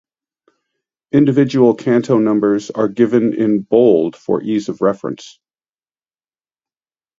Individual canto numbers are given in bold for ease of reference.